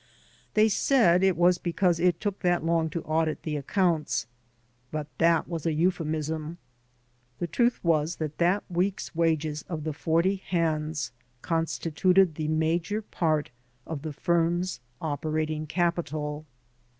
They said it was because it took that long to audit the accounts. But that was a euphemism. The truth was that that week's wages of the forty hands constituted the major part of the firm's operating capital.